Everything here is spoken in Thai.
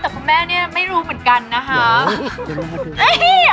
แต่คุณแม่เนี่ยไม่รู้เหมือนกันนะคะ